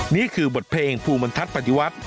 นี่คือบทเพลงภูมิบรรทัศน์ปฏิวัติ